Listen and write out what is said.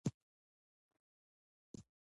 د اوبو سپما د ستونزو د مخنیوي تر ټولو اسانه لاره ده.